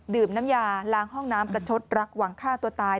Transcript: น้ำยาล้างห้องน้ำประชดรักหวังฆ่าตัวตาย